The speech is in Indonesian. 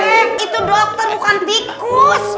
pak d itu dokter bukan tikus